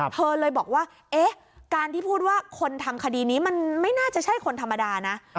เธอเลยบอกว่าเอ๊ะการที่พูดว่าคนทำคดีนี้มันไม่น่าจะใช่คนธรรมดานะ